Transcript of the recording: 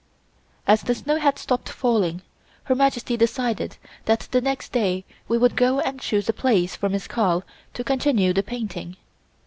As the snow had stopped falling, Her Majesty decided that the next day we would go and choose a place for Miss Carl to continue the painting.